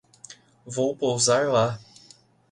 Vou pousar lá